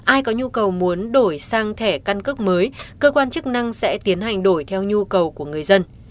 ai có nhu cầu muốn đổi sang thẻ căn cước mới cơ quan chức năng sẽ tiến hành đổi theo nhu cầu của người dân